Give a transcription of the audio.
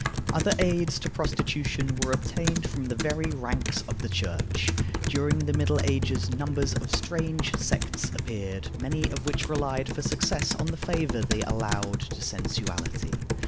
Other aids to prostitution were obtained from the very ranks of the Church. During the Middle Ages numbers of strange sects appeared, many of which relied for success on the favor they allowed to sensuality.